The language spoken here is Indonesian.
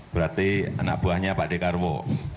berarti anak buahnya pak dekarwo